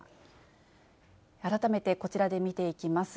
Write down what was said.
改めてこちらで見ていきます。